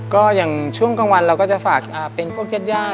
ก็อย่างช่วงกลางวันเราก็จะฝากเป็นพวกเก็ตย่า